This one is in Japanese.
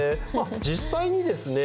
実際にですね